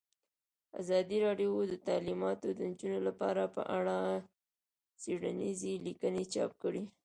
ازادي راډیو د تعلیمات د نجونو لپاره په اړه څېړنیزې لیکنې چاپ کړي.